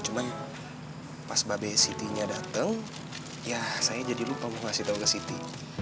cuman pas babe siti nya dateng ya saya jadi lupa mau kasih tau ke siti